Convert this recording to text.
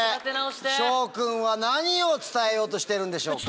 紫耀君は何を伝えようとしてるんでしょうか。